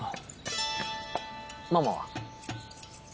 ママは？